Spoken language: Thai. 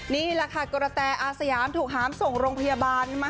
นี่แหละค่ะกระแตอาสยามถูกหามส่งโรงพยาบาล